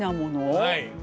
はい。